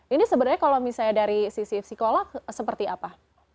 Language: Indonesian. ini sebenarnya kalau misalnya dari sisi sekolah seperti apa